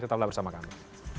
tetaplah bersama kami